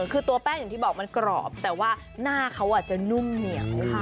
คือตัวแป้งอย่างที่บอกมันกรอบแต่ว่าหน้าเขาจะนุ่มเหนียว